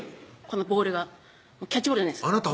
このボールがキャッチボールじゃないです